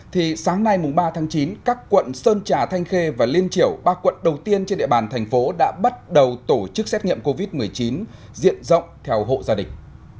thì sáng nay ba tháng chín các quận sơn trà thanh khê và liên triểu ba quận đầu tiên trên địa bàn thành phố đã bắt đầu tổ chức xét nghiệm covid một mươi chín diện rộng theo hộ gia đình